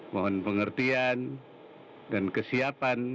mohon pengertian dan kesiapan